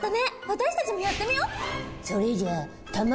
私たちもやってみよう。